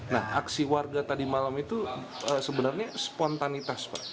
nah aksi warga tadi malam itu sebenarnya spontanitas pak